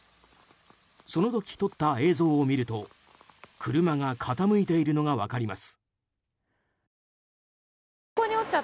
その時、撮った映像を見ると車が傾いているのが分かります。